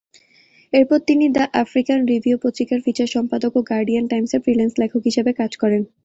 এরপর তিনি the African Review পত্রিকার ফিচার সম্পাদক ও গার্ডিয়ান টাইমসে ফ্রিল্যান্স লেখক হিসেবে কাজ করেন।